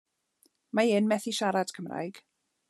Mae e'n methu siarad Cymraeg.